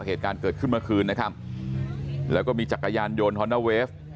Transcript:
เหตุการณ์เกิดขึ้นเมื่อคืนนะครับแล้วก็มีจักรยานยนต์ฮอนด้าเวฟ